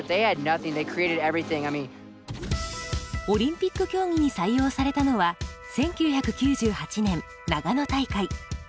オリンピック競技に採用されたのは１９９８年長野大会。